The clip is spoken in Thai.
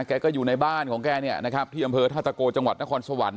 แกก็อยู่ในบ้านของแกเนี่ยนะครับที่อำเภอท่าตะโกจังหวัดนครสวรรค